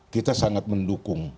kita sangat mendukung